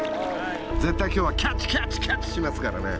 絶対今日はキャッチキャッチキャッチしますからね！